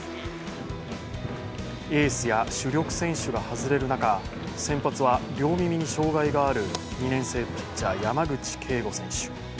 エースや主力選手が外れる中先発は、両耳に障害がある２年生ピッチャー・山口恵悟選手。